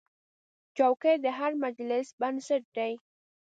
چوکۍ د هر مجلس بنسټ دی.